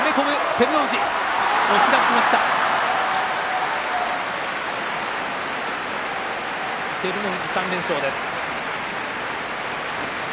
照ノ富士、３連勝です。